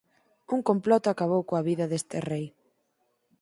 Un complot acabou coa vida deste rei.